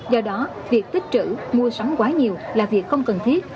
do đó việc tích trữ mua sắm quá nhiều là việc không cần thiết